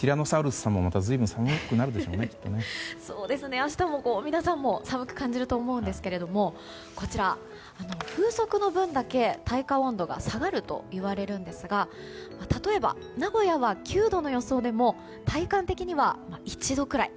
明日も皆さんも寒く感じると思うんですが風速の分だけ体感温度が下がるといわれるんですが例えば、名古屋は９度の予想でも体感的には１度くらい。